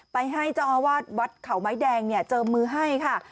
ไปให้เจ้าอาวาสธรรมด์ขาวไม้แดงเจอมือให้ค่ะ